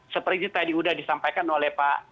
seperti tadi sudah disampaikan oleh pak